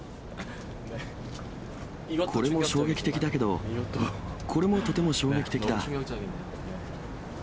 これも衝撃的だけど、これもとても衝撃的だ。